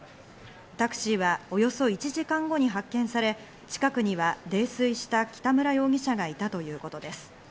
タクシーはおよそ１時間後に発見され、近くには泥酔した北村容疑者がいたということです。